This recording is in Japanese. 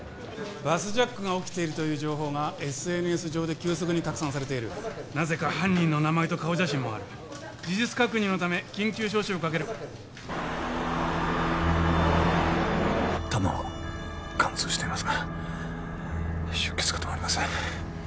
バスジャックが起きているという情報がＳＮＳ上で急速に拡散されているなぜか犯人の名前と顔写真もある事実確認のため緊急招集をかける弾は貫通していますが出血が止まりません